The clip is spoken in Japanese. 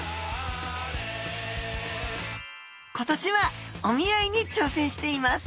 今年はお見合いに挑戦しています！